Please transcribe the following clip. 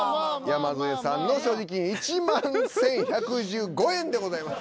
山添さんの所持金１万１，１１５円でございます。